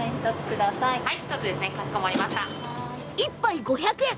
１杯５００円。